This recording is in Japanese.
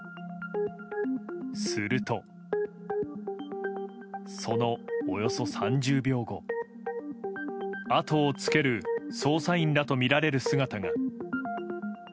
すると、そのおよそ３０秒後あとをつける捜査員らとみられる姿が。